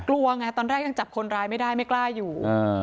กลัวไงตอนแรกยังจับคนร้ายไม่ได้ไม่กล้าอยู่